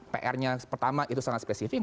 pr nya pertama itu sangat spesifik